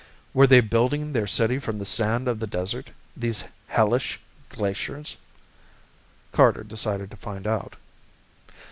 Were they building their city from the sand of the desert, these hellish glaciers? Carter decided to find out.